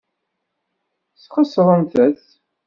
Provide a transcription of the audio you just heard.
Sxeṣrent-t.